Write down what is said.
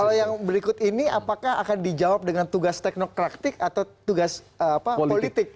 kalau yang berikut ini apakah akan dijawab dengan tugas teknokratik atau tugas politik